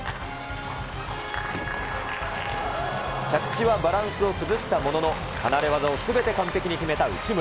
着地はバランスを崩したものの、離れ技をすべて完璧に決めた内村。